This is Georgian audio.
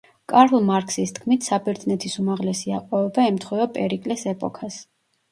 კარლ მარქსის თქმით საბერძნეთის უმაღლესი აყვავება ემთხვევა პერიკლეს ეპოქას.